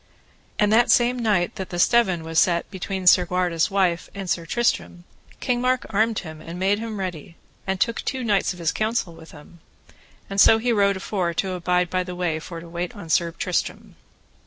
And that same night that the steven was set betwixt Segwarides' wife and Sir Tristram, King Mark armed him, and made him ready, and took two knights of his counsel with him; and so he rode afore for to abide by the way for to wait upon Sir Tristram.